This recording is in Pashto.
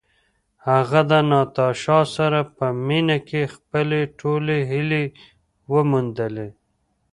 هغه د ناتاشا سره په مینه کې خپلې ټولې هیلې وموندلې.